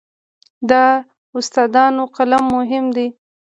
د استادانو قلم مهم دی.